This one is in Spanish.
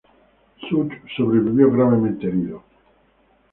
Suh sobrevivió gravemente herido.